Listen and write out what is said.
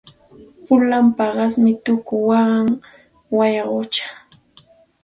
Pulan paqasmi tuku waqan wayquchaw.